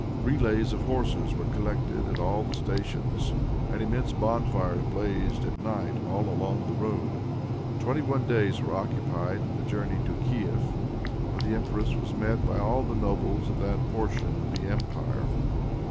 Relays of horses were collected at all the stations and immense bonfires blazed at night all along the road. Twenty one days were occupied in the journey to Kief, where the empress was met by all the nobles of that portion of the empire.